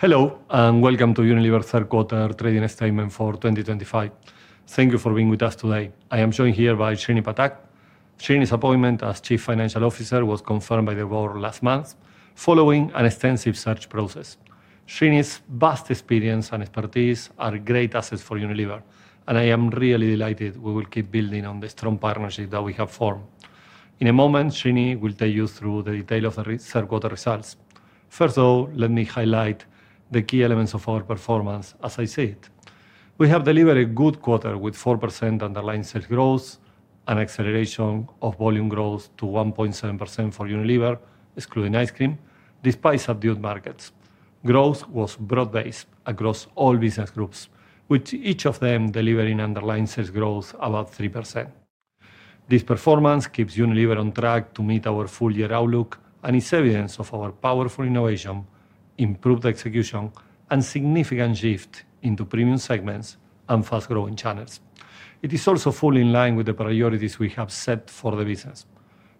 Hello and welcome to Unilever's third quarter trading statement for 2025. Thank you for being with us today. I am joined here by Srinivas Phatak. Srinivas's appointment as Chief Financial Officer was confirmed by the Board last month following an extensive search process. Srinivas's vast experience and expertise are great assets for Unilever and I am really delighted we will keep building on the strong partnership that we have formed. In a moment, Srinivas will take you through the details of the third quarter results. First of all, let me highlight the key elements of our performance. As I said, we have delivered a good quarter with 4% Underlying Sales Growth and acceleration of volume growth to 1.7% for Unilever excluding ice cream. Despite subdued markets, growth was broad-based across all business groups with each of them delivering Underlying Sales Growth of about 3%. This performance keeps Unilever on track to meet our full year outlook and is evidence of our powerful innovation, improved execution, and significant shift into premium segments and fast-growing channels. It is also fully in line with the priorities we have set for the business.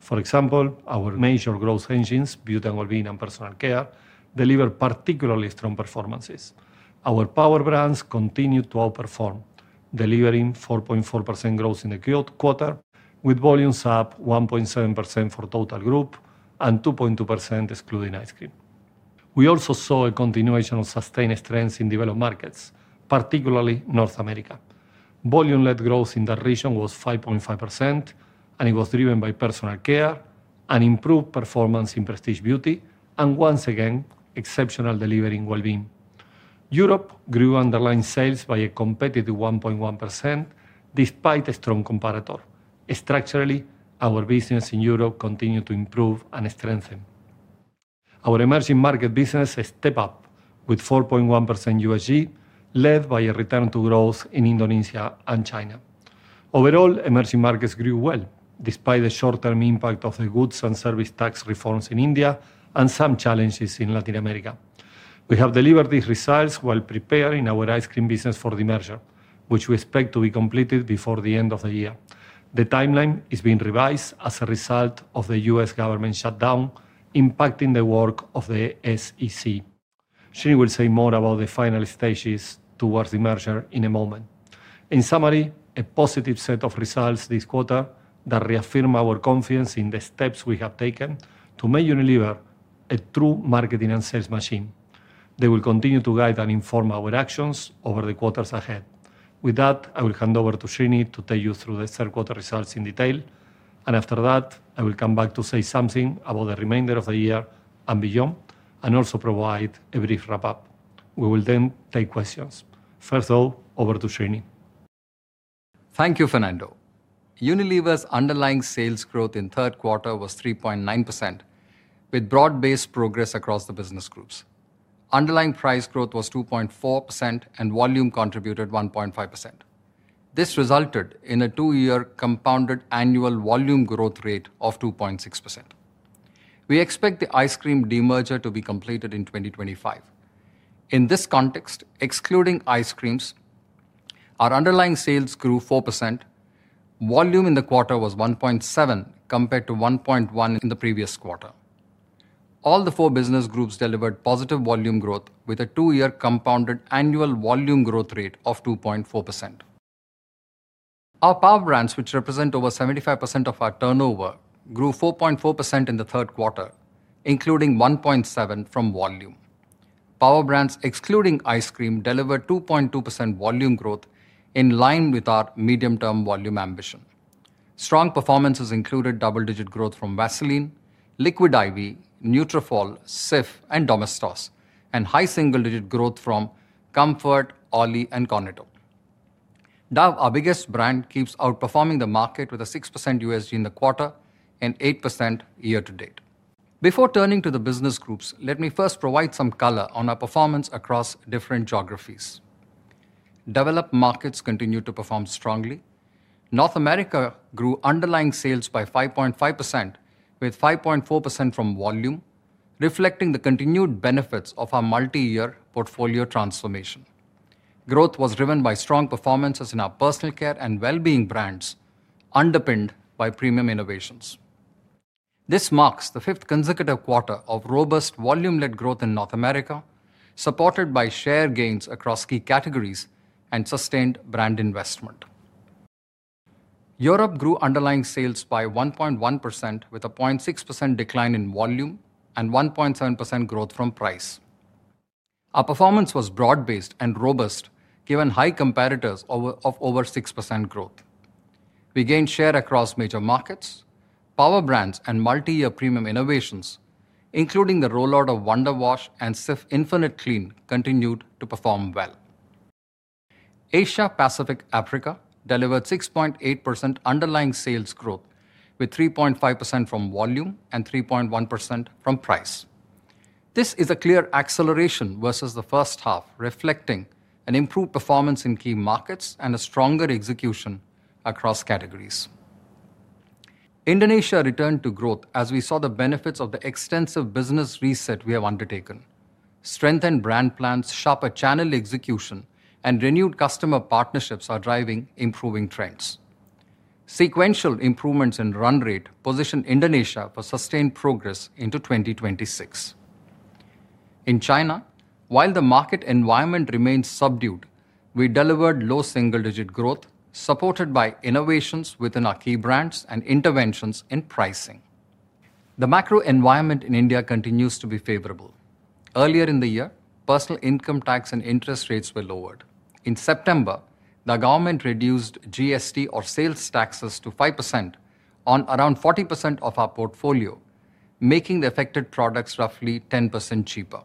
For example, our major growth engines, Beauty and Wellbeing and Personal Care, delivered particularly strong performances. Our Power Brands continue to outperform, delivering 4.4% growth in the third quarter with volumes up 1.7% for total group and 2.2% excluding ice cream. We also saw a continuation of sustained strengths in developed markets, particularly North America. Volume-led growth in that region was 5.5% and it was driven by Personal Care, an improved performance in Prestige Beauty, and once again exceptional delivery in Wellbeing. Europe grew underlying sales by a competitive 1.1% despite a strong comparator. Structurally, our business in Europe continued to improve and strengthen. Our emerging market business stepped up with 4.1% USG led by a return to growth in Indonesia and China. Overall, emerging markets grew well despite the short-term impact of the Goods and Services Tax reforms in India and some challenges in Latin America. We have delivered these results while preparing our ice cream business for the demerger, which we expect to be completed before the end of the year. The timeline is being revised as a result of the U.S. Government shutdown and impacting the work of the SEC. Srinivas will say more about the final stages towards the demerger in a moment. In summary, a positive set of results this quarter that reaffirm our confidence in the steps we have taken to make Unilever a true marketing and sales machine. They will continue to guide and inform our actions over the quarters ahead. With that, I will hand over to Srinivas to take you through the third quarter results in detail and after that I will come back to say something about the remainder of the year and beyond and also provide a brief wrap up. We will then take questions. First of all, over to Srinivas. Thank you. Fernando, Unilever's Underlying Sales Growth in the third quarter was 3.9% with broad-based progress across the business groups. Underlying price growth was 2.4% and volume contributed 1.5%. This resulted in a two-year compounded annual volume growth rate of 2.6%. We expect the ice cream demerger to be completed in 2025. In this context, excluding ice creams, our underlying sales grew 4%, volume in the quarter was 1.7% compared to 1.1% in the previous quarter. All the four business groups delivered positive volume growth with a two-year compounded annual volume growth rate of 2.4%. Our Power Brands, which represent over 75% of our turnover, grew 4.4% in the third quarter including 1.7% from volume. Power Brands excluding ice cream delivered 2.2% volume growth in line with our medium-term volume ambition. Strong performances included double-digit growth from Vaseline, Liquid I.V., Nutrafol, CIF, and Domestos, and high single-digit growth from Comfort, OMO, and Dove. Our biggest brand keeps outperforming the market with a 6% USG in the quarter and 8% year to date. Before turning to the business groups, let me first provide some color on our performance across different geographies. Developed markets continue to perform strongly. North America grew underlying sales by 5.5% with 5.4% from volume, reflecting the continued benefits of our multi-year portfolio. Transformation growth was driven by strong performances in our personal care and wellbeing brands underpinned by premium innovations. This marks the fifth consecutive quarter of robust volume-led growth in North America, supported by share gains across key categories and sustained brand investment. Europe grew underlying sales by 1.1% with a 0.6% decline in volume and 1.7% growth from price. Our performance was broad-based and robust given high comparators of over 6% growth. We gained share across major markets, Power Brands, and multi-year premium innovations including the rollout of Wonderwash and CIF. Infinite Clean continued to perform well. Asia Pacific Africa delivered 6.8% Underlying Sales Growth with 3.5% from volume and 3.1% from price. This is a clear acceleration versus the first half, reflecting an improved performance in key markets and a stronger execution across categories. Indonesia returned to growth as we saw the benefits of the extensive business reset we have undertaken. Strengthened brand plans, sharper channel execution, and renewed customer partnerships are driving improving trends. Sequential improvements in run rate position Indonesia for sustained progress into 2026. In China, while the market environment remains subdued, we delivered low single digit growth supported by innovations within our key brands and interventions in pricing. The macro environment in India continues to be favorable. Earlier in the year, personal income tax and interest rates were lowered. In September, the government reduced GST or sales taxes to 5% on around 40% of our portfolio, making the affected products roughly 10% cheaper.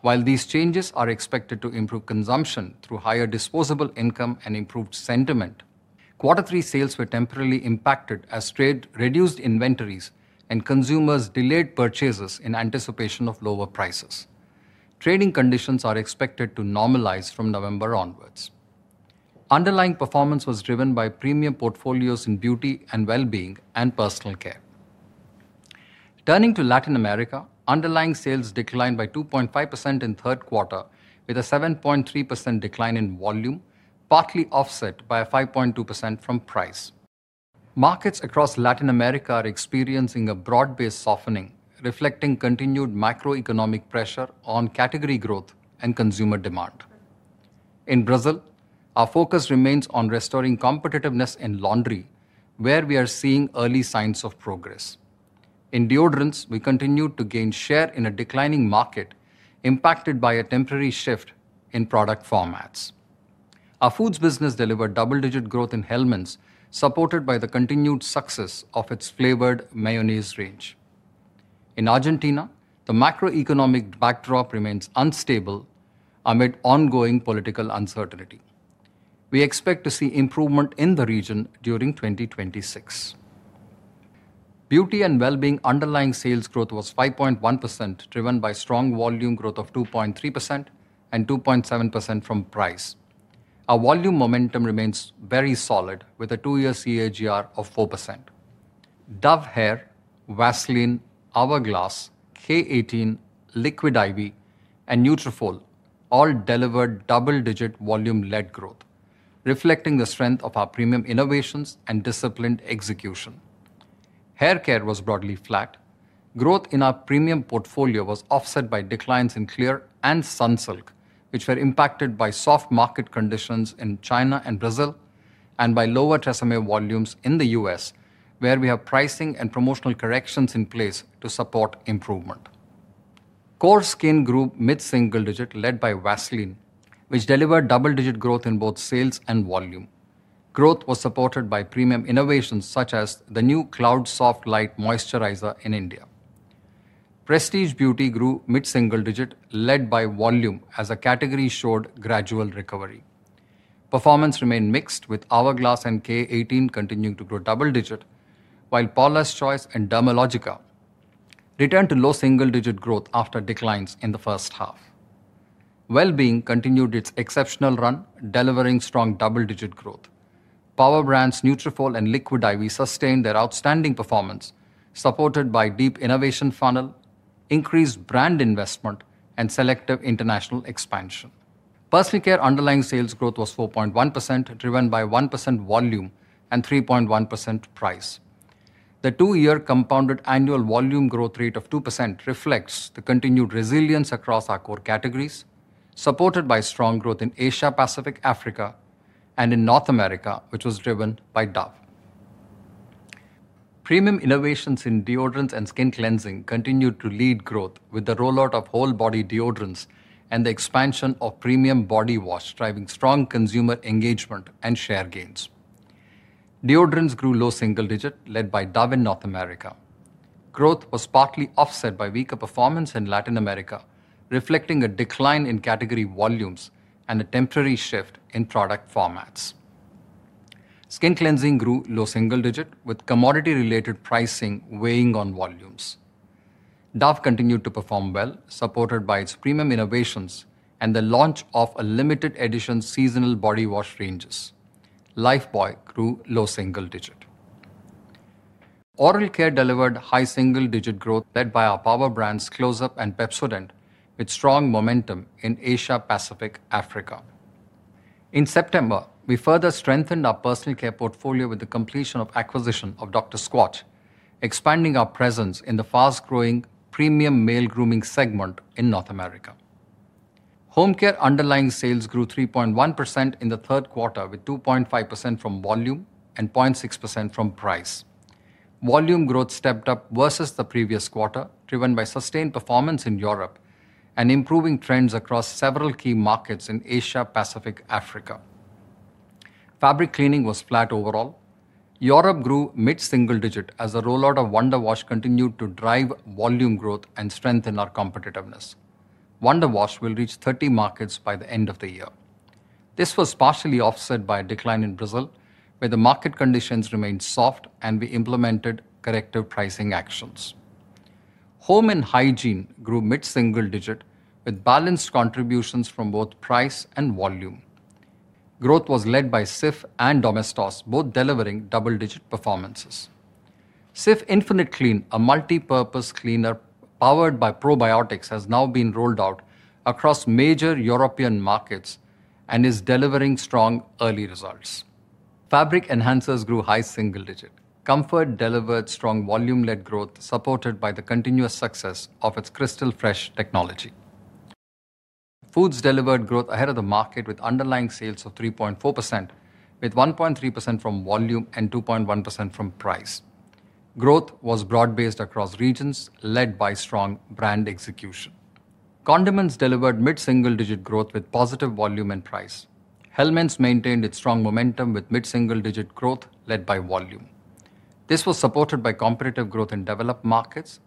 While these changes are expected to improve consumption through higher disposable income and improved sentiment, quarter three sales were temporarily impacted as trade reduced inventories and consumers delayed purchases in anticipation of lower prices. Trading conditions are expected to normalize from November onwards. Underlying performance was driven by premium portfolios in Beauty and Wellbeing and Personal Care. Turning to Latin America, underlying sales declined by 2.5% in the third quarter with a 7.3% decline in volume, partly offset by a 5.2% from price. Markets across Latin America are experiencing a broad-based softening, reflecting continued macroeconomic pressure on category growth and consumer demand. In Brazil, our focus remains on restoring competitiveness in laundry, where we are seeing early signs of progress. In deodorants, we continue to gain share in a declining market impacted by a temporary shift in product formats. Our foods business delivered double digit growth in Hellmann's, supported by the continued success of its flavored mayonnaise range. In Argentina, the macroeconomic backdrop remains unstable. Amid ongoing political uncertainty, we expect to see improvement in the region during 2026. Beauty and Wellbeing Underlying Sales Growth was 5.1%, driven by strong volume growth of 2.3% and 2.7% from price. Our volume momentum remains very solid with a 2-year CAGR of 4%. Dove Hair, Vaseline, Hourglass, K18, Liquid I.V., and Nutrafol all delivered double digit volume-led growth, reflecting the strength of our premium innovations and disciplined execution. Hair care was broadly flat. Growth in our premium portfolio was offset by declines in Clear and Sunsilk, which were impacted by soft market conditions in China and Brazil, and by lower TRESemmé volumes in the U.S., where we have pricing and promotional corrections in place to support improvement. Core skin grew mid single digit, led by Vaseline, which delivered double digit growth in both sales and volume. Growth was supported by premium innovations such as the new Cloudsoft Light Moisturiser. In India, Prestige Beauty grew mid single digit, led by volume, as the category showed gradual recovery. Performance remained mixed, with Hourglass and K18 continuing to grow double digit, while Paula's Choice and Dermalogica returned to low single digit growth after declines in the first half. Well Being continued its exceptional run, delivering strong double digit growth. Power Brands Nutrafol and Liquid I.V. sustained their outstanding performance, supported by deep innovation funnel, increased brand investment, and selective international expansion. Personal care Underlying Sales Growth was 4.1%, driven by 1% volume and 3.1% price. The 2 year compounded annual volume growth rate of 2% reflects the continued resilience across our core categories, supported by strong growth in Asia Pacific, Africa, and in North America, which was driven by Dove. Premium innovations in deodorants and skin cleansing continued to lead growth, with the rollout of whole body deodorants and the expansion of premium body wash driving strong consumer engagement and share gains. Deodorants grew low single digit, led by Dove. In North America, growth was partly offset by weaker performance in Latin America, reflecting a decline in category volumes and a temporary shift in product formats. Skin cleansing grew low single digit, with commodity related pricing weighing on volumes. Dove continued to perform well, supported by its premium innovations and the launch of limited edition seasonal body wash ranges. Lifebuoy grew low single digit. Oral care delivered high single digit growth, led by our Power Brands Closeup and Pepsodent, with strong momentum in Asia Pacific and Africa. In September, we further strengthened our personal care portfolio with the completion of the acquisition of Dr. Squatch, expanding our presence in the fast growing premium male grooming segment in North America. Home care underlying sales grew 3.1% in the third quarter, with 2.5% from volume and 0.6% from price. Volume growth stepped up versus the previous quarter, driven by sustained performance in Europe and improving trends across several key markets in Asia Pacific Africa. Fabric cleaning was flat overall. Europe grew mid single digit as the rollout of Wonderwash continued to drive volume growth and strengthen our competitiveness. Wonderwash will reach 30 markets by the end of the year. This was partially offset by a decline in Brazil, where the market conditions remained soft and we implemented corrective pricing actions. Home and hygiene grew mid single digit with balanced contributions from both price and volume. Growth was led by CIF and Domestos, both delivering double digit performances. CIF InfiniteClean, a multi purpose cleaner powered by Probiotics, has now been rolled out across major European markets and is delivering strong early results. Fabric enhancers grew high single digit. Comfort delivered strong volume led growth, supported by the continuous success of its Crystal Fresh technology. Foods delivered growth ahead of the market with underlying sales of 3.4%, with 1.3% from volume and 2.1% from price. Growth was broad based across regions, led by strong brand execution. Condiments delivered mid single digit growth with positive volume and price. Hellmann's maintained its strong momentum with mid single digit growth led by volume. This was supported by competitive growth in developed markets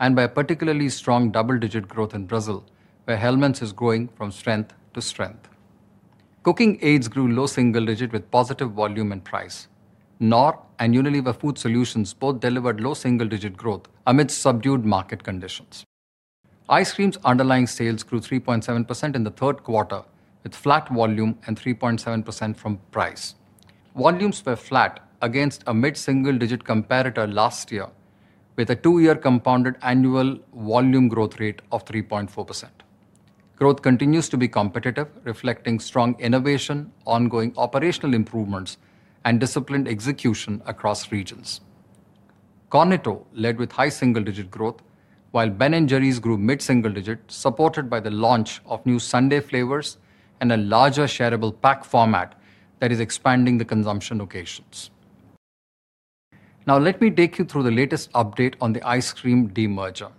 and by a particularly strong double digit growth in Brazil, where Hellmann's is growing from strength to strength. Cooking aids grew low single digit with positive volume and price. Knorr and Unilever Food Solutions both delivered low single digit growth amid subdued market conditions. Ice Cream's underlying sales grew 3.7% in the third quarter with flat volume and 3.7% from price. Volumes were flat against a mid single digit comparator last year, with a 2 year compounded annual volume growth rate of 3.4%. Growth continues to be competitive, reflecting strong innovation, ongoing operational improvements, and disciplined execution across regions. Magnum led with high single digit growth, while Ben & Jerry's grew mid single digit, supported by the launch of new sundae flavors and a larger shareable pack format that is expanding the consumption occasions. Now let me take you through the latest update on the Ice Cream demerger.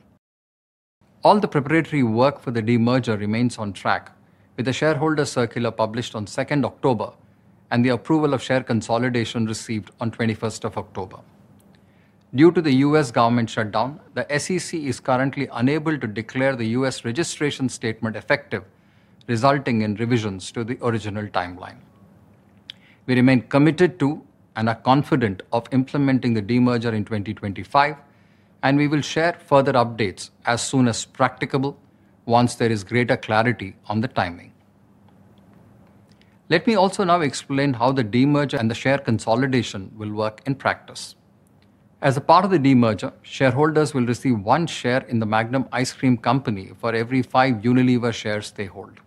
All the preparatory work for the demerger remains on track with the shareholder circular published on October 2 and the approval of share consolidation received on October 21. Due to the U.S. government shutdown, the SEC is currently unable to declare the U.S. registration statement effective, resulting in revisions to the original timeline. We remain committed to and are confident of implementing the demerger in 2025, and we will share further updates as soon as practicable once there is greater clarity on the timing. Let me also now explain how the demerger and the share consolidation will work in practice. As a part of the demerger, shareholders will receive one share in The Magnum Ice Cream Company for every five Unilever shares they hold.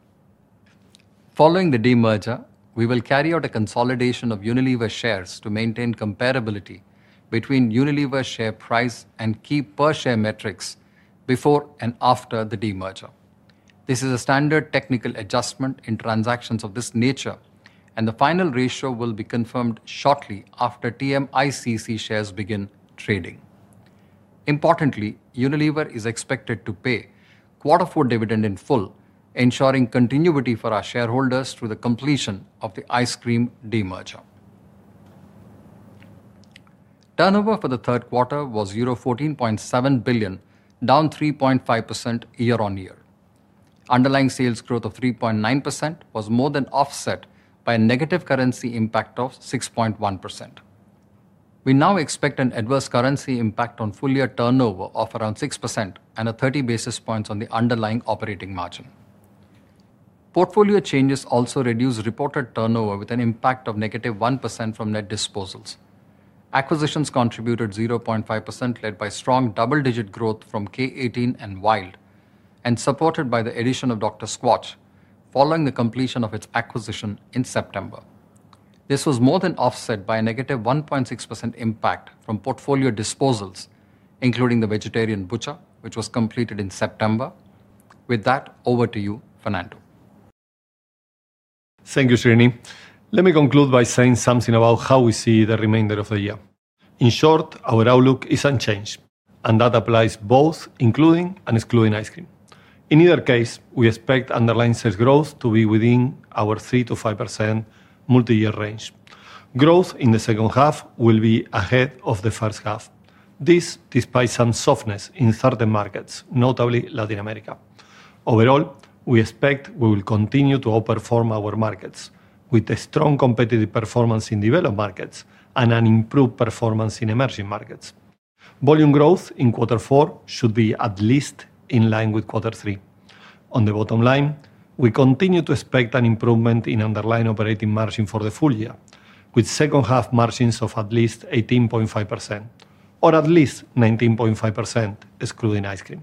Following the demerger, we will carry out a consolidation of Unilever shares to maintain comparability between Unilever share price and key per share metrics before and after the demerger. This is a standard technical adjustment in transactions of this nature, and the final ratio will be confirmed shortly after TMICC shares begin trading. Importantly, Unilever is expected to pay quarter four dividend in full, ensuring continuity for our shareholders through the completion of the ice cream demerger. Turnover for the third quarter was 14.7 billion, down 3.5% year-on-year. Underlying Sales Growth of 3.9% was more than offset by a negative currency impact of 6.1%. We now expect an adverse currency impact on full year turnover of around 6% and a 30 basis points on the underlying operating margin. Portfolio changes also reduced reported turnover with an impact of negative 1% from net disposals. Acquisitions contributed 0.5%, led by strong double-digit growth from K18 and Wild and supported by the addition of Dr. Squatch following the completion of its acquisition in September. This was more than offset by a negative 1.6% impact of portfolio disposals, including The Vegetarian Butcher, which was completed in September. With that, over to you, Fernando. Thank you, Srinivas. Let me conclude by saying something about how we see the remainder of the year. In short, our outlook is unchanged and that applies both including and excluding ice cream. In either case, we expect Underlying Sales Growth to be within our 3%-5% multi-year range. Growth in the second half will be ahead of the first half. This is despite some softness in certain markets, notably Latin America. Overall, we expect we will continue to outperform our markets with a strong competitive performance in developed markets and an improved performance in emerging markets. Volume growth in quarter four should be at least in line with Q3. On the bottom line, we continue to expect an improvement in underlying operating margin for the full year with second half margins of at least 18.5% or at least 19.5% excluding ice cream.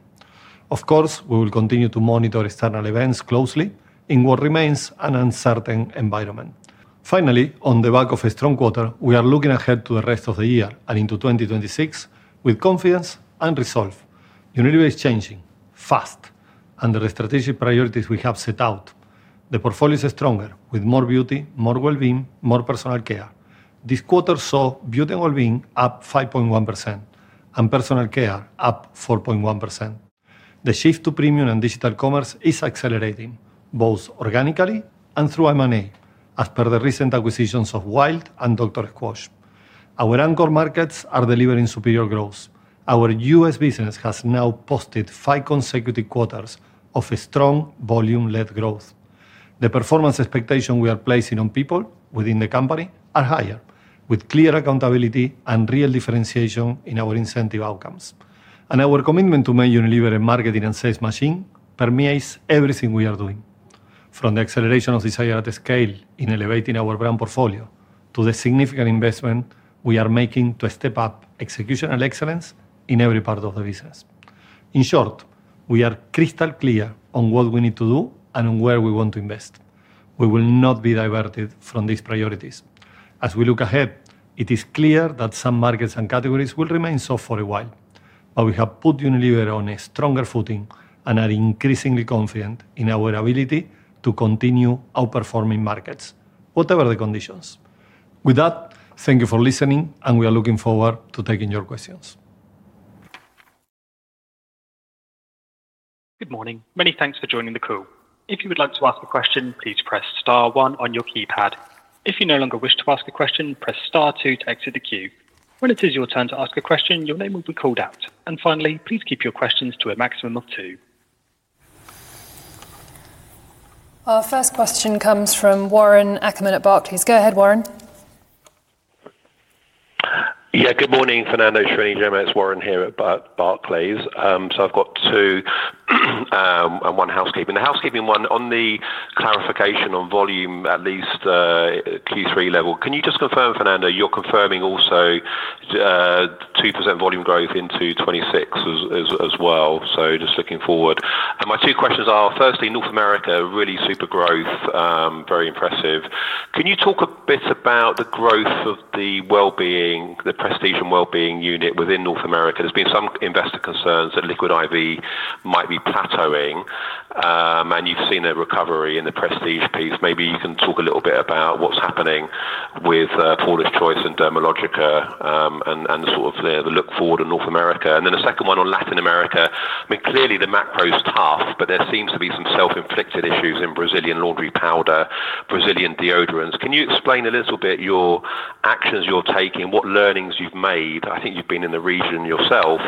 Of course, we will continue to monitor external events closely in what remains an uncertain environment. Finally, on the back of a strong quarter, we are looking ahead to the rest of the year and into 2026 with confidence and resolve. Unilever is changing fast. Under the strategic priorities we have set out, the portfolio is stronger with more beauty, more well-being, more personal care. This quarter saw Beauty and Wellbeing up 5.1% and Personal Care up 4.1%. The shift to premium and digital commerce is accelerating both organically and through M&A, as per the recent acquisitions of Wild and Dr. Squatch. Our anchor markets are delivering superior growth. Our U.S. business has now posted five consecutive quarters of strong volume-led growth. The performance expectations we are placing on people within the company are higher, with clear accountability and real differentiation in our incentive outcomes. Our commitment to make Unilever a marketing and sales machine permeates everything we are doing, from the acceleration of desire at scale in elevating our brand portfolio to the significant investment we are making to step up execution and excellence in every part of the business. In short, we are crystal clear on what we need to do and where we want to invest. We will not be diverted from these priorities as we look ahead. It is clear that some markets and categories will remain soft for a while, but we have put Unilever on a stronger footing and are increasingly confident in our ability to continue outperforming markets, whatever the conditions. With that, thank you for listening and we are looking forward to taking your questions. Good morning. Many thanks for joining the call. If you would like to ask a question, please press star one on your keypad. If you no longer wish to ask a question, press star two to exit the queue. When it is your turn to ask a question, your name will be called out. Please keep your questions to a maximum of 2.Our first question comes from Warren Ackerman at Barclays. Go ahead, Warren. Yeah, good morning Fernando, Srinivas, Gemma, it's Warren here at Barclays. I've got two and one housekeeping, the housekeeping one on the clarification on volume at least Q3 level. Can you just confirm, Fernando, you're confirming also 2% volume growth into 2026 as well? Just looking forward, my two questions are firstly, North America, really super growth, very impressive. Can you talk a bit about the growth of the wellbeing, the prestige and wellbeing unit within North America? There's been some investor concerns that Liquid I.V. might be plateauing and you've seen a recovery in the prestige piece. Maybe you can talk a little bit about what's happening with Paula's Choice and Dermalogica and sort of look forward in North America. The second one on Latin America, clearly the macro is tough but there seems to be some self-inflicted issues in Brazilian laundry powder, Brazilian deodorants. Can you explain a little bit your actions, what learnings you've made? I think you've been in the region yourself.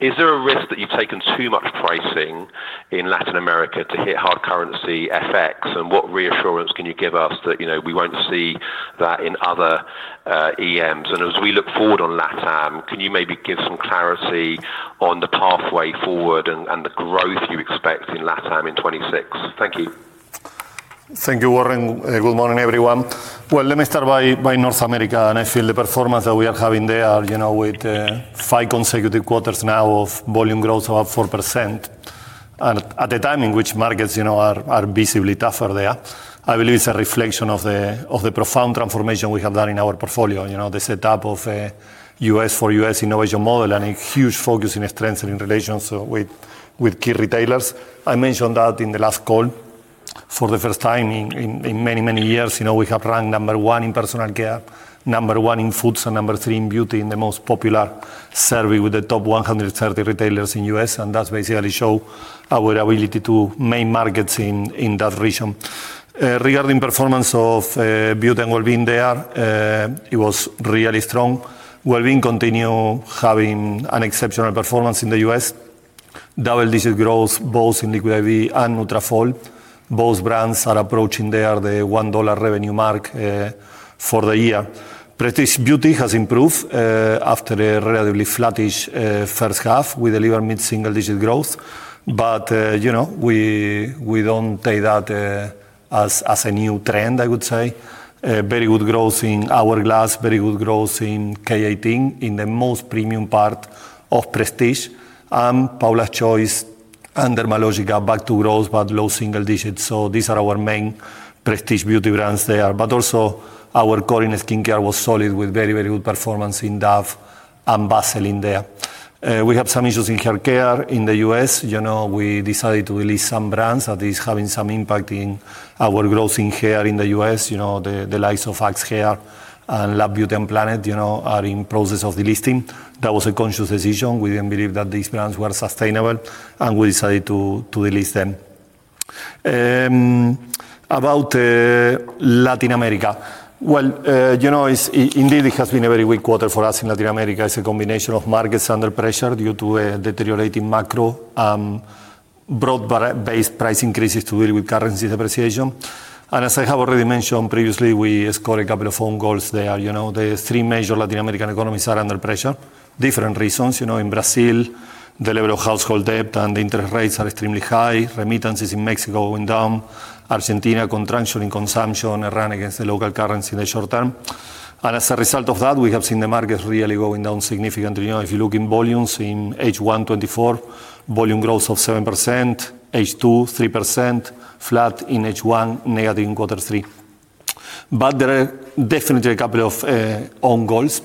Is there a risk that you've taken too much pricing in Latin America to hit hard currency effects? What reassurance can you give us that we won't see that in other regions? As we look forward on Latam, can you maybe give some clarity on the pathway forward and the growth you expect in Latam in 2026? Thank you. Thank you, Warren. Good morning everyone. Let me start by North America. I feel the performance that we are having there, with five consecutive quarters now of volume growth of 4% at a time in which markets are visibly tougher there, is a reflection of the profound transformation we have done in our portfolio. The setup of a U.S., for U.S. innovation model and a huge focus in strengthening relations with key retailers. I mentioned that in the last call. For the first time in many, many years, we have ranked number one in personal care, number one in foods, and number three in beauty in the most popular survey with the top 130 retailers in the U.S., and that basically shows our ability to main markets in that region. Regarding performance of beauty and wellbeing there, it was really strong. Wellbeing continued having an exceptional performance in the U.S., double digit growth both in Liquid I.V. and Nutrafol. Both brands are approaching the $1 billion revenue mark for the year. Prestige beauty has improved after a relatively flattish first half. We delivered mid single digit growth, but we don't take that as a new trend. I would say very good growth in Hourglass, very good growth in K18 in the most premium part of prestige. Paula's Choice under Dermalogica back to growth but low single digits. These are our main prestige beauty brands there. Also, our core in skincare was solid with very, very good performance in Dove bustling there. We have some issues in healthcare in the U.S. We decided to release some brands that is having some impact in our growth in hair in the U.S. The likes of Axe Hair and Lab Beauty and Planet are in process of delisting. That was a conscious decision. We didn't believe that these brands were sustainable and we decided to delist them. About Latin America, it has been a very weak quarter for us in Latin America. It's a combination of markets under pressure due to a deteriorating macro, broad based price increases to deal with currency depreciation. As I have already mentioned previously, we scored a couple of phone calls there. The three major Latin American economies are under pressure for different reasons. In Brazil, the level of household debt and interest rates are extremely high. Remittances in Mexico went down. In Argentina, contraction in consumption run against the local currency in the short term. As a result of that, we have seen the markets really going down significantly. If you look in volumes in H1 2024, volume growth of 7%, H2, 3%, flat in H1, negative in quarter three. There are definitely a couple of own goals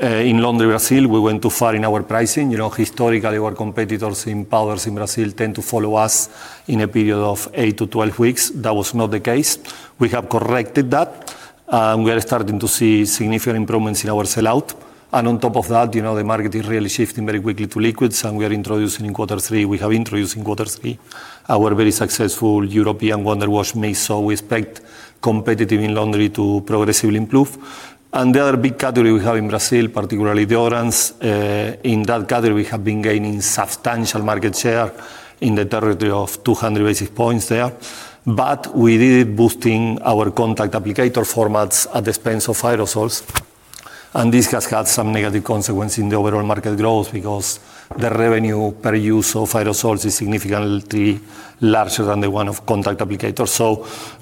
in Latin America. In Brazil, we went too far in our pricing. Historically, our competitors in powders in Brazil tend to follow us in a period of eight to twelve weeks. That was not the case. We have corrected that. We are starting to see significant improvements in our sellout. On top of that, the market is really shifting very quickly to liquids. We have introduced in quarter three our very successful European Wonder Wash mix. We expect competitiveness in laundry to progressively improve. The other big category we have in Brazil, particularly the orange in that category, we have been gaining substantial market share in the territory of 200 basis points there. We did boost our contact applicator formats at the expense of aerosols, and this has had some negative consequence in the overall market growth because the revenue per use of aerosols is significantly larger than the one of contact applicators.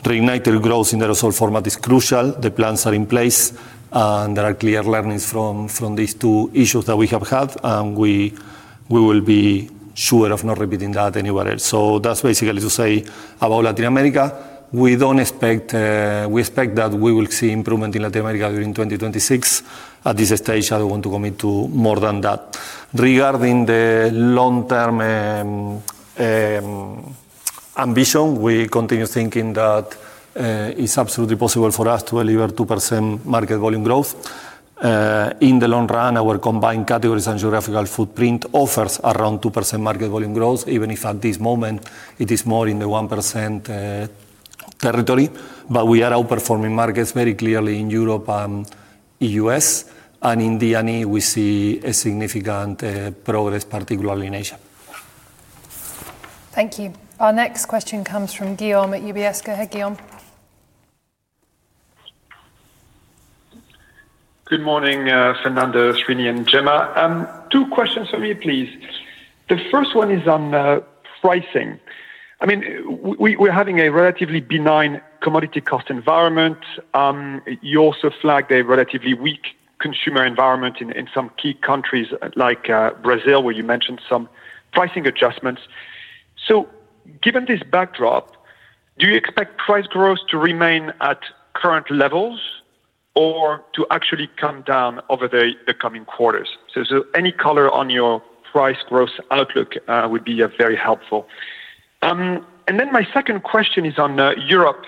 Reignited growth in the aerosol format is crucial. The plans are in place and there are clear learnings from these two issues that we have had. We will be sure of not repeating that anywhere else. That is basically to say about Latin America. We expect that we will see improvement in Latin America during 2026. At this stage, I don't want to commit to more than that. Regarding the long-term ambition, we continue thinking that it's absolutely possible for us to deliver 2% market volume growth in the long run. Our combined categories and geographical footprint offer around 2% market volume growth, even if at this moment it is more in the 1% territory. We are outperforming markets very clearly in Europe and the U.S., and in China, we see significant progress, particularly in Asia. Thank you. Our next question comes from Guillaume at UBS. Hey Guillaume. Good morning. Fernando, Srinivas and Gemma. Two questions for me please. The first one is on pricing. I mean, we're having a relatively benign commodity cost environment. You also flagged a relatively weak consumer environment in some key countries like Brazil, where you mentioned some pricing adjustments. Given this backdrop, do you expect price growth to remain at current levels or to actually come down over the coming quarters? Any color on your price growth outlook would be very helpful. My second question is on Europe.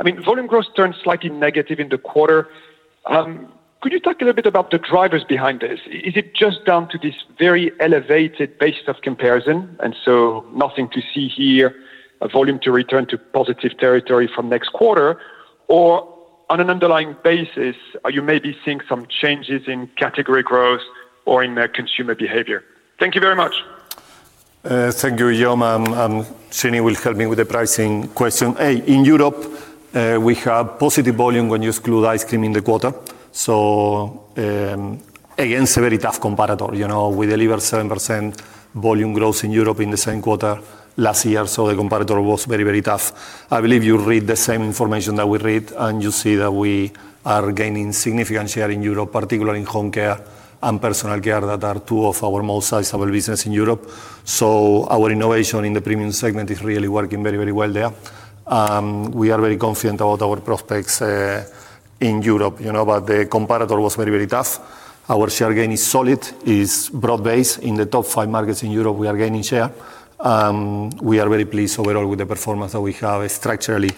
I mean, volume growth turned slightly negative in the quarter. Could you talk a little bit about the drivers behind this? Is it just down to this very elevated basis of comparison? Nothing to see here. Volume to return to positive territory from next quarter or on an underlying basis, you may be seeing some changes in category growth or in consumer behavior. Thank you very much. Thank you. Guillaume. Srinivas will help me with the pricing question. In Europe, we have positive volume when you exclude ice cream in the quarter. It is a very tough competitor. We delivered 7% volume growth in Europe in the same quarter last year, so the competitor was very, very tough. I believe you read the same information that we read, and you see that we are gaining significant share in Europe, particularly in Home Care and Personal Care, which are two of our most sizable businesses in Europe. Our innovation in the premium segment is really working very, very well there. We are very confident about our prospects in Europe, but the competitor was very, very tough. Our share gain is solid, is broad-based. In the top five markets in Europe, we are gaining share. We are very pleased overall with the performance that we have structurally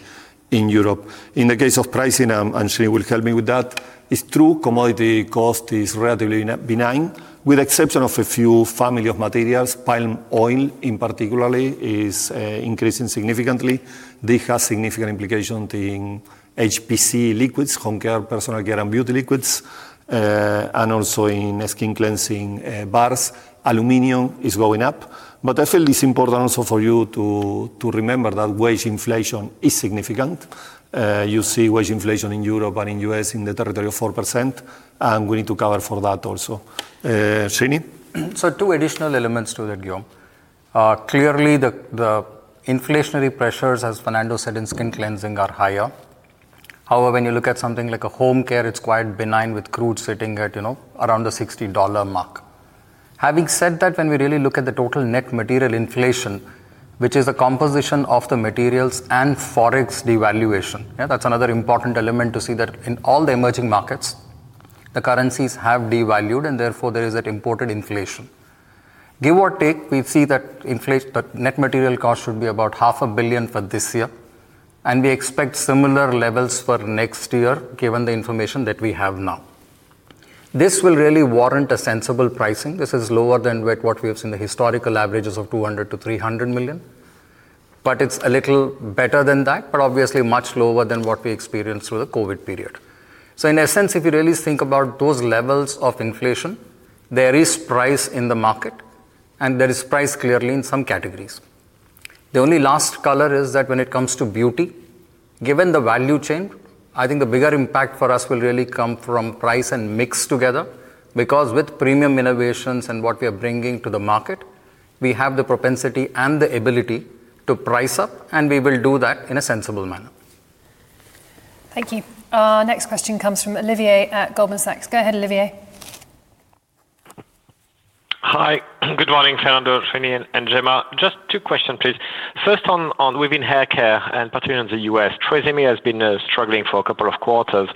in Europe. In the case of pricing, and Srinivas will help me with that, it's true commodity cost is relatively benign with the exception of a few families of materials. Palm oil in particular is increasing significantly. This has significant implications in HPC liquids, Home Care, Personal Care and Beauty liquids, and also in skin cleansing bars. Aluminum is going up. I feel it's important also for you to remember that wage inflation is significant. You see wage inflation in Europe and in the U.S. in the territory of 4%, and we need to cover for that also. Two additional elements to that, Guillaume. Clearly, the inflationary pressures, as Fernando said, in skin cleansing are higher. However, when you look at something like home care, it's quite benign with crude sitting at around the $60 mark. Having said that, when we really look at the total net material inflation, which is a composition of the materials and forex devaluation, that's another important element to see that in all the emerging markets the currencies have devalued and therefore there is that imported inflation. Give or take, we see that net material cost should be about $0.5 billion for this year and we expect similar levels for next year. Given the information that we have now, this will really warrant a sensible pricing. This is lower than what we have seen, the historical averages of $200 million-$300 million, but it's a little better than that, but obviously much lower than what we experienced through the COVID period. In essence, if you really think about those levels of inflation, there is price in the market and there is price clearly in some categories. The only last color is that when it comes to beauty, given the value chain, I think the bigger impact for us will really come from price and mix together. With premium innovations and what we are bringing to the market, we have the propensity and the ability to price up and we will do that in a sensible manner. Thank you. Our next question comes from Olivier at Goldman Sachs. Go ahead, Olivier. Hi, good morning. Fernando, Srinivas and Gemma. Just two questions please. First, on within hair care and particularly in the U.S., TRESemmé has been struggling for a couple of quarters.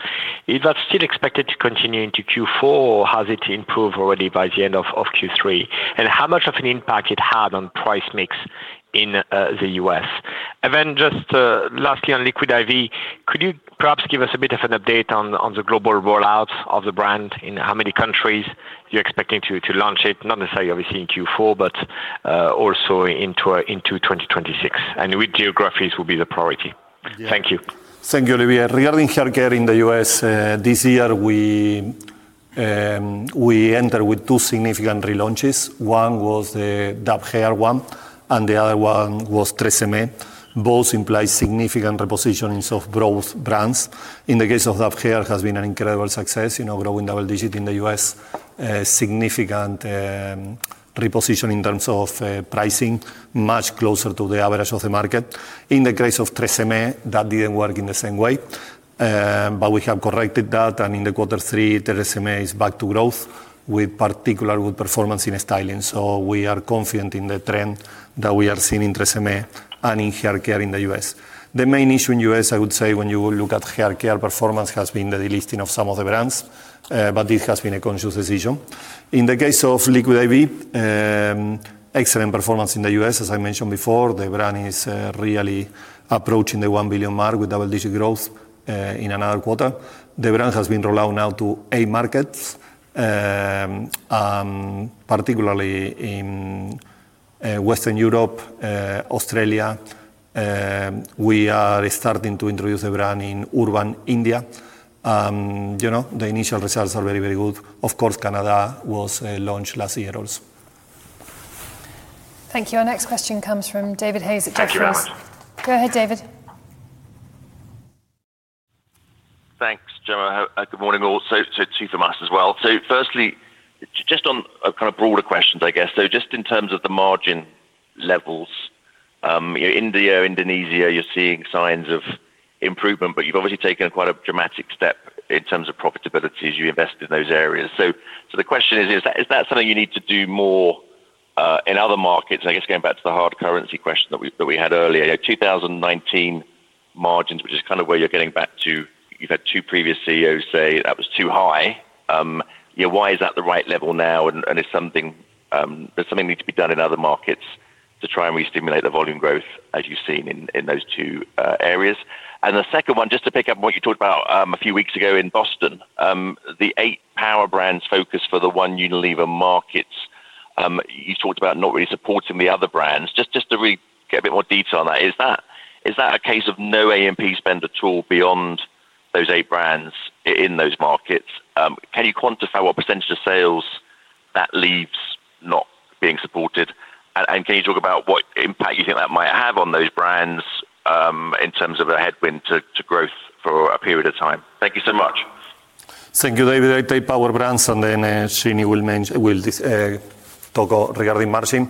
Is that still expected to continue into Q4 or has it improved already by the end of Q3? How much of an impact it had on price mix in the U.S.? Lastly, on Liquid I.V., could you provide perhaps give us a bit of an update on the global rollout of the brand, in how many countries you're expecting to launch it? Not necessarily, obviously in Q4, but also into 2026 and which geographies will be the priority. Thank you. Thank you, Olivier. Regarding hair care in the U.S., this year we entered with two significant relaunches. One was the Dove Hair one and the other one was Tresemmé. Both imply significant repositionings of both brands. In the case of Dove, it has been an incredible success, growing double digit in the U.S., with significant reposition in terms of pricing much closer to the average of the market. In the case of Tresemmé, that didn't work in the same way, but we have corrected that. In quarter 3, Tresemmé is back to growth with particularly good performance in styling. We are confident in the trend that we are seeing in Tresemmé and in hair care in the U.S. The main issue in the U.S., I would say, when you look at hair care performance, has been the delisting of some of the brands. This has been a conscious decision. In the case of Liquid I.V., excellent performance in the U.S. As I mentioned before, the brand is really approaching the $1 billion mark with double digit growth in another quarter. The brand has been rolled out now to eight markets, particularly in Western Europe and Australia. We are starting to introduce the brand in urban India. The initial results are very, very good. Of course, Canada was launched last year also. Thank you. Our next question comes from David Hayes at Jefferies. Thank you very much. Go ahead, David. Thanks, Jemma. Good morning. Also, Thomas as well. Firstly, just on kind of broader questions, I guess. In terms of the margin levels, India, Indonesia, you're seeing signs of improvement, but you've obviously taken quite a dramatic step in terms of profitability as you invest in those areas. The question is, is that something you need to do more in other markets? Going back to the hard currency question that we had earlier, 2019 margins, which is kind of where you're getting back to. You've had two previous CEOs say that was too high. Why is that the right level now? Is it something that needs to be done in other markets to try and re-stimulate the volume growth as you've seen in those two areas? The second one, just to pick up what you talked about a few weeks ago in Boston, the eight Power Brands focus for the One Unilever markets. You talked about not really supporting the other brands. Just to get a bit more detail on that. Is that a case of no AMP spend at all beyond those eight brands in those markets? Can you quantify what % of sales that leaves not being supported? Can you talk about what impact you think that might have on those brands in terms of a headwind to growth for a period of time? Thank you so much. Thank you, David. I take Power Brands and then Srinivas will regarding margin.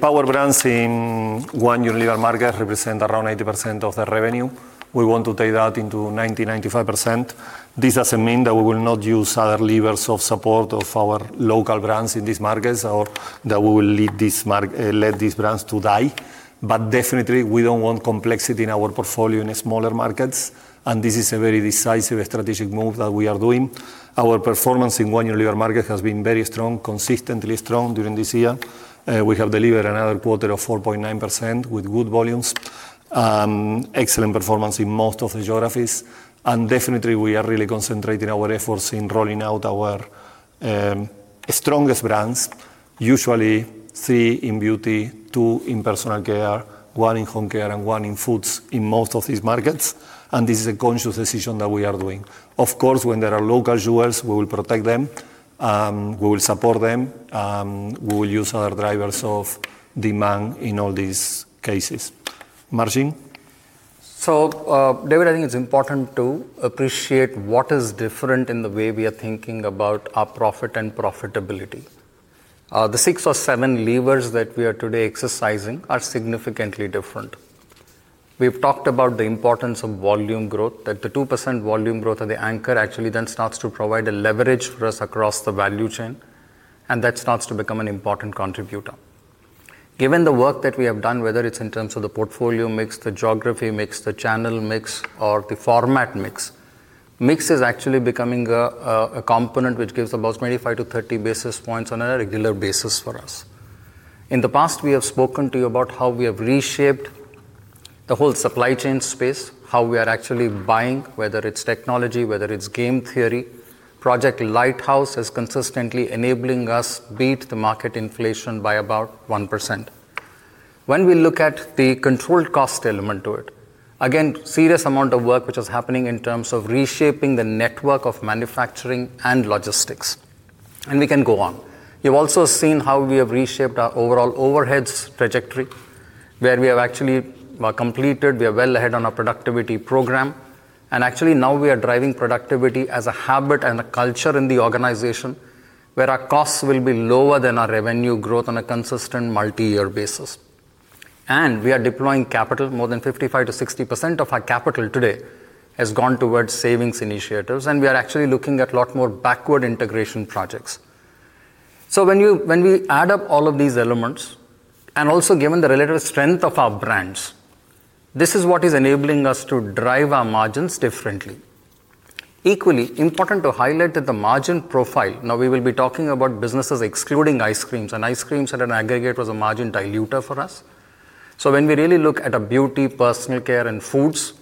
Power Brands in one Unilever market represent around 80% of the revenue. We want to take that into 90%-95%. This doesn't mean that we will not use other levers of support of our local brands in these markets or that we will let these brands die. We definitely don't want complexity in our portfolio in smaller markets. This is a very decisive strategic move that we are doing. Our performance in one Unilever market has been very strong, consistently strong during this year. This year we have delivered another quarter of 4.9% with good volumes, excellent performance in most of the geographies, and we are really concentrating our efforts in rolling out our strongest brands, usually three in beauty, two in personal care, one in home care, and one in foods in most of these markets. This is a conscious decision that we are doing. Of course, when there are local jewels, we will protect them, we will support them, we will use other drivers of demand in all these cases, margin. David, I think it's important to appreciate what is different in the way we are thinking about our profit and profitability. The six or seven levers that we are today exercising are significantly different. We've talked about the importance of volume growth, that the 2% volume growth of the anchor actually then starts to provide a leveraged result across the value chain, and that starts to become an important contributor given the work that we have done, whether it's in terms of the portfolio mix, the geography mix, the channel mix, or the format mix. Mix is actually becoming a component which gives about 25 to 30 basis points on a regular basis for us. In the past, we have spoken to you about how we have reshaped the whole supply chain space, how we are actually buying, whether it's technology, whether it's game theory. Project Lighthouse is consistently enabling us to beat the market inflation by about 1%. When we look at the controlled cost element to it, again, serious amount of work which is happening in terms of reshaping the network of manufacturing and logistics, and we can go on. You've also seen how we have reshaped our overall overheads trajectory, where we are actually well ahead on our productivity program and actually now we are driving productivity as a habit and a culture in the organization, where our costs will be lower than our revenue growth on a consistent multi-year basis. We are deploying capital. More than 55%-60% of our capital today has gone towards savings initiatives, and we are actually looking at a lot more backward integration projects. When we add up all of these elements and also given the relative strength of our brands, this is what is enabling us to drive our margins differently. Equally important to highlight that the margin profile now, we will be talking about businesses excluding ice creams, and ice creams in aggregate was a margin diluter for us. When we really look at beauty, personal care, and foods,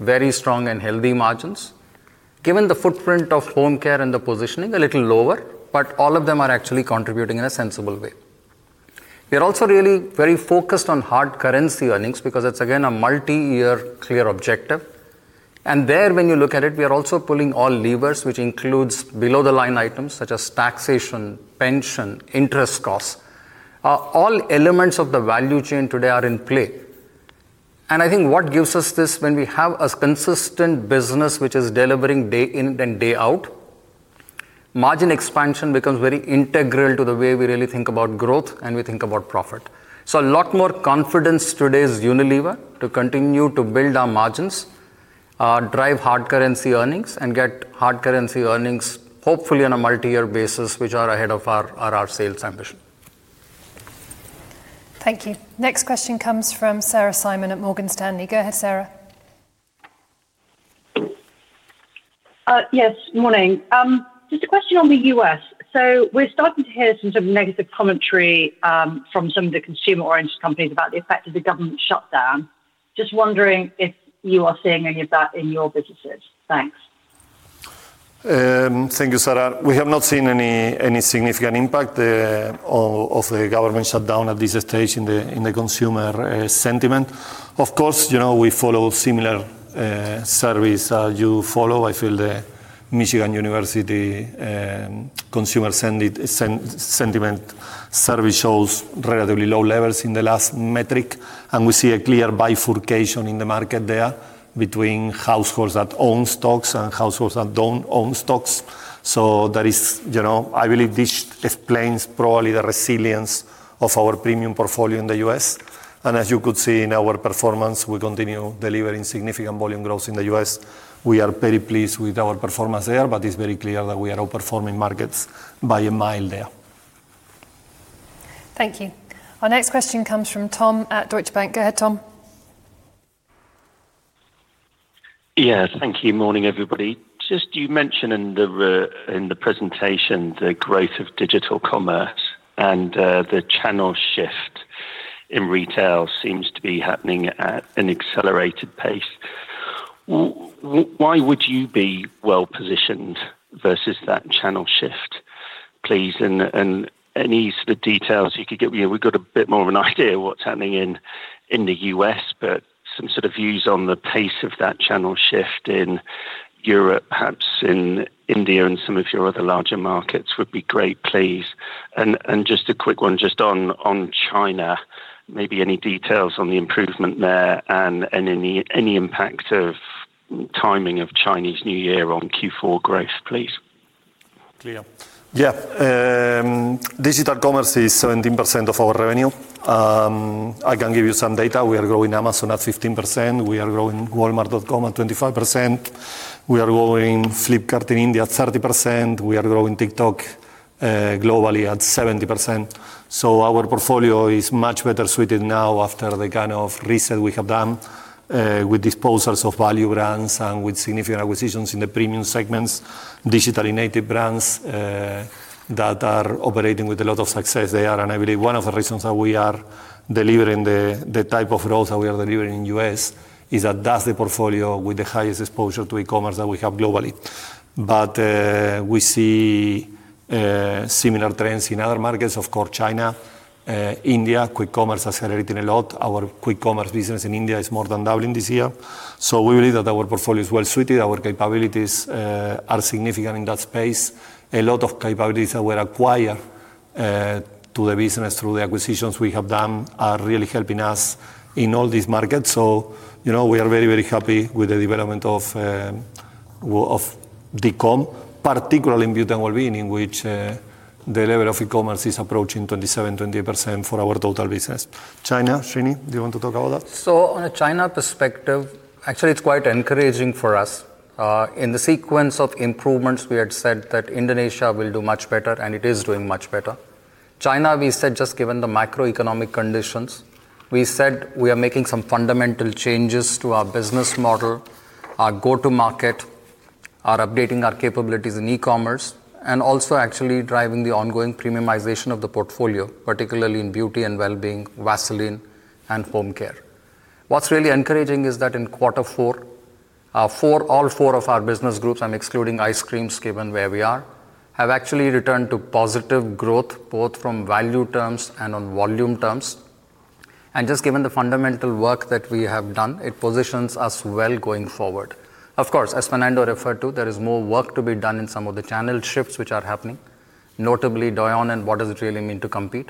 very strong and healthy margins given the footprint of home care and the positioning a little lower, but all of them are actually contributing in a sensible way. We are also really very focused on hard currency earnings because it's again a multi-year clear objective. There, when you look at it, we are also pulling all levers, which includes below the line items such as taxation, pension, interest costs. All elements of the value chain today are in play. I think what gives us this, when we have a consistent business which is delivering day in and day out, margin expansion becomes very integral to the way we really think about growth and we think about profit. A lot more confidence, today's Unilever to continue to build our margins, drive hard currency earnings and get hard currency earnings hopefully on a multi-year basis which are ahead of our sales ambition. Thank you. Next question comes from Sarah Simon at Morgan Stanley. Go ahead, Sarahh. Yes. Morning. Just a question on the U.S. We're starting to hear some negative commentary from some of the consumer-oriented companies about the effect of the government shutdown. Just wondering if you are seeing any of that in your businesses. Thanks. Thank you, Sarah. We have not seen any significant impact of the government shutdown at this stage in the consumer sentiment. Of course, you know we follow similar service. You follow, I feel the Michigan University consumer sentiment service shows relatively low levels in the last metric, and we see a clear bifurcation in the market there between households that own stocks and households that don't own stocks. That is, you know, I believe this explains probably the resilience of our premium portfolio in the U.S., and as you could see in our performance, we continue delivering significant volume growth in the U.S. We are very pleased with our performance there. It's very clear that we are outperforming markets by a mile there. Thank you. Our next question comes from Tom at Deutsche Bank. Go ahead, Tom. Yes, thank you. Morning everybody. You mentioned in the presentation the growth of digital commerce and the channel shift in retail seems to be happening at an accelerated pace. Why would you be well positioned versus that channel shift, please? Any sort of details you could give me? We've got a bit more of an idea what's happening in the U.S., but some sort of views on the pace of that channel shift in Europe, perhaps in India and some of your other larger markets would be great, please. Just a quick one, just on China, maybe any details on the improvement there and any impact of timing of Chinese New Year on Q4 growth, please. Clear. Yeah. Digital commerce is 17% of our revenue. I can give you some data. We are growing Amazon at 15%. We are growing walmart.com at 25%. We are growing Flipkart in India 30%. We are growing TikTok globally at 70%. Our portfolio is much better suited now after the kind of reset we have done with disposals of value brands and with significant acquisitions in the premium segments. Digitally native brands that are operating with a lot of success. They are, and I believe one of the reasons that we are delivering the type of roles that we are delivering in U.S. is that that's the portfolio with the highest exposure to e-commerce that we have globally. We see similar trends in other markets, of course. China, India, quick commerce accelerating a lot. Our quick commerce business in India is more than doubling this year. We believe that our portfolio is well suited. Our capabilities are significant in that space. A lot of capabilities that were acquired to the business through the acquisitions we have done are really helping us in all these markets. We are very, very happy with the development of DCom, particularly in Beauty and Wellbeing in which the level of e-commerce is approaching 27%, 20% for our total business. China. Srinivas, do you want to talk about that? On a China perspective, actually it's quite encouraging for us in the sequence of improvements. We had said that Indonesia will do much better, and it is doing much better. China, we said, just given the macroeconomic conditions, we said we are making some fundamental changes to our business model. Our go to market, updating our capabilities in digital commerce, and also actually driving the ongoing premiumization of the portfolio, particularly in Beauty and Wellbeing, Vaseline, and Home Care. What's really encouraging is that in quarter four, all four of our business groups, I'm excluding Ice Creams given where we are, have actually returned to positive growth both from value terms and on volume terms. Just given the fundamental work that we have done, it positions us well going forward. Of course, as Fernando referred to, there is more work to be done in some of the channel shifts which are happening, notably Douyin, and what does it really mean to compete.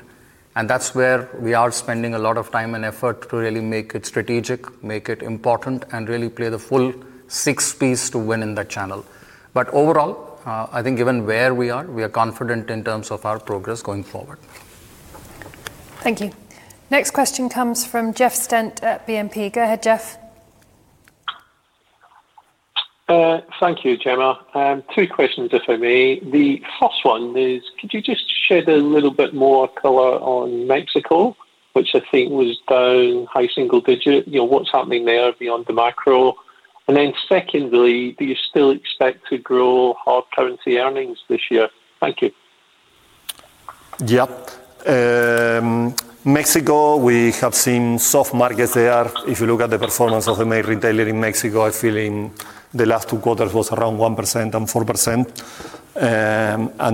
That's where we are spending a lot of time and effort to really make it strategic, make it important, and really play the full six Ps to win in that channel. Overall, I think given where we are, we are confident in terms of our progress going forward. Thank you. Next question comes from Jeff Stent at BNP. Go ahead, Jeff. Thank you, Jemma. Two questions, if I may. The first one is could you just shed a little bit more color on Mexico, which I think was down high single digit, you know what's happening there beyond the macro. Then secondly, do you still expect to grow hard currency earnings this year? Thank you. Yep. Mexico, we have seen soft markets there. If you look at the performance of the main retailer in Mexico, I feel in the last two quarters was around 1% and 4%.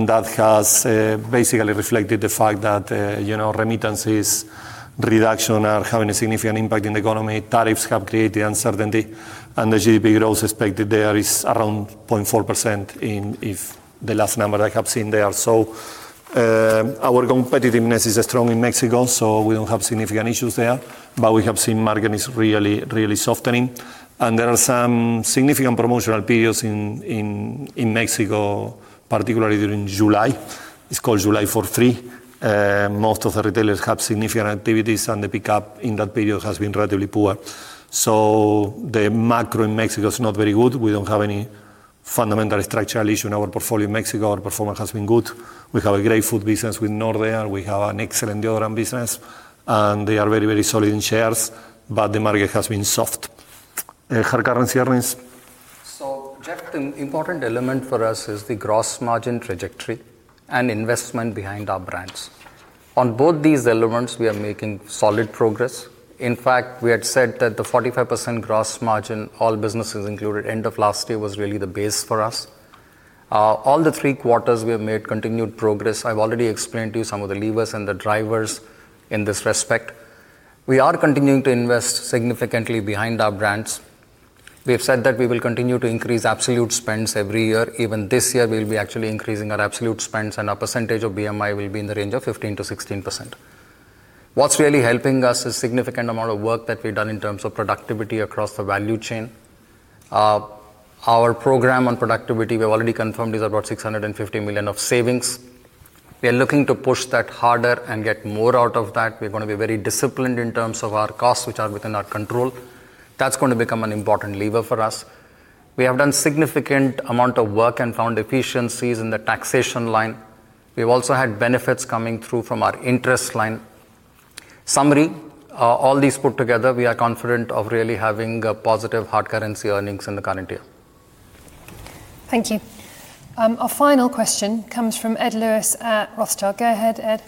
That has basically reflected the fact that, you know, remittances reduction are having a significant impact in the economy. Tariffs have created uncertainty, and the GDP growth expected there is around 0.4% in the last number I have seen there. Our competitiveness is strong in Mexico, so we don't have significant issues there. We have seen margin is really, really softening, and there are some significant promotional periods in Mexico, particularly during July. It's called July 4th three. Most of the retailers have significant activities, and the pickup in that period has been relatively poor. The macro in Mexico is not very good. We don't have any fundamental structural issue in our portfolio in Mexico. Our performance has been good. We have a great food business with Knorr, we have an excellent deodorant business, and they are very, very solid in shares. The market has been soft currency earnings. Jeff, the important element for us is the gross margin trajectory and investment behind our brands. On both these elements, we are making solid progress. In fact, we had said that the 45% gross margin, all businesses included end of last year day, was really the base for us all the three quarters. We have made continued progress. I've already explained to you some of the levers and the drivers in this respect. We are continuing to invest significantly behind our brands. We have said that we will continue to increase absolute spends every year. Even this year we will be actually increasing our absolute spends and our percentage of BMI will be in the range of 15 to 16%. What's really helping us is significant amount of work that we've done in terms of productivity across the value chain. Our program on productivity we've already confirmed is about $650 million of savings. We are looking to push that harder and get more out of that. We are going to be very disciplined in terms of our costs which are within our control. That's going to become an important lever for us. We have done significant amount of work and found efficiencies in the taxation line. We've also had benefits coming through from our interest line summary. All these put together, we are confident of really having positive hard currency earnings in the current year. Thank you. Our final question comes from Ed Lewis at Rothschild. Go ahead, Ed.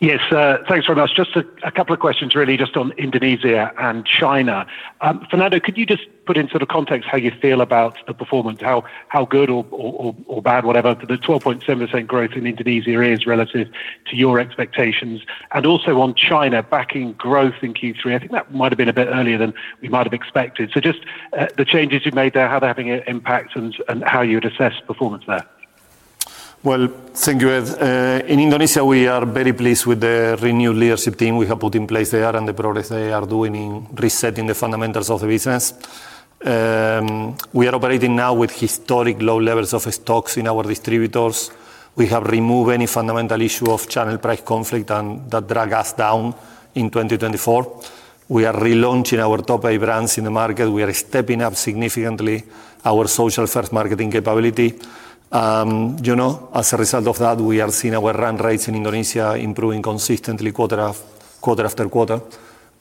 Yes, thanks very much. Just a couple of questions really. Just on Indonesia and China, Fernando, could you just put in sort of context how you feel about the performance, how good or bad whatever the 12.7% growth in Indonesia is relative to your expectations, and also on China backing growth, growth in Q3, I think that might have been a bit earlier than we might have expected. Just the changes you've made there, how they're having an impact, and how you would assess performance there. Thank you, Ed. In Indonesia, we are very pleased with the renewed leadership team we have put in place there and the progress they are making in resetting the fundamentals of the business. We are operating now with historically low levels of stocks in our distributors. We have removed any fundamental issue of channel price conflict that dragged us down in 2024. We are relaunching our top A brands in the market. We are stepping up significantly our social-first marketing capability. As a result of that, we are seeing our run rates in Indonesia improving consistently quarter after quarter.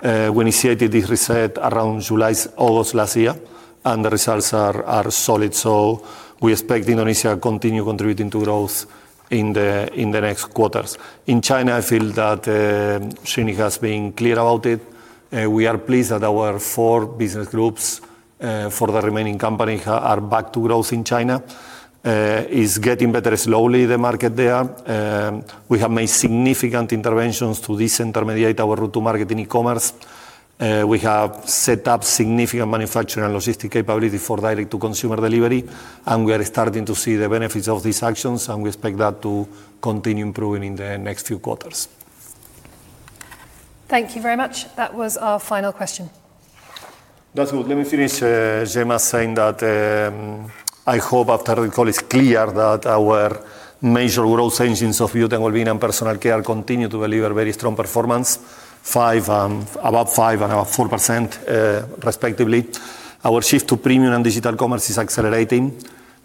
We initiated this reset around July, August last year and the results are solid. We expect Indonesia to continue contributing to growth in the next quarters. In China, I feel that Srini has been clear about it. We are pleased that our four business groups for the remaining company are back to growth in China. It is getting better slowly in the market there. We have made significant interventions to decenter mediate our route to market in E-commerce. We have set up significant manufacturing logistics capability for direct-to-consumer delivery and we are starting to see the benefits of these actions. We expect that to continue improving in the next few quarters. Thank you very much. That was our final question. Let me finish, Gemma, by saying that I hope after recall it is clear that our major growth engines of Youth and Wellbeing and Personal Care continue to deliver very strong performance above 5% and above 4% respectively. Our shift to premium and digital commerce is accelerating.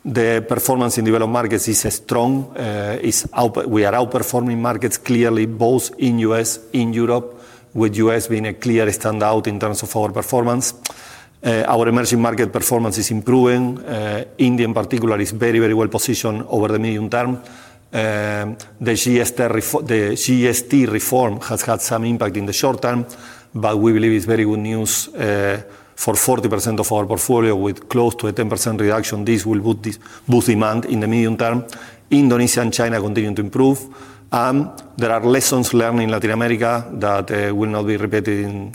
The performance in developed markets is strong. We are outperforming markets clearly both in the U.S., in Europe, with the U.S. being a clear standout in terms of our performance. Our emerging market performance is improving. India in particular is very, very well positioned over the medium term. The GST reform has had some impact in the short term, but we believe it is very good news for 40% of our portfolio with close to a 10% reduction. This will boost demand in the medium term. Indonesia and China continue to improve. There are lessons learned in Latin America that will not be repeated,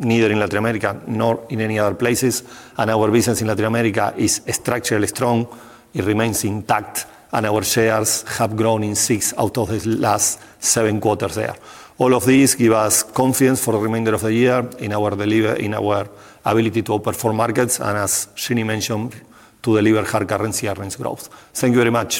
neither in Latin America nor in any other places. Our business in Latin America is structurally strong. It remains intact and our shares have grown in six out of the last seven quarters there. All of these give us confidence for the remainder of the year in our delivery, in our ability to open for markets and, as Srinivas mentioned, to deliver hard currency earnings growth. Thank you very much.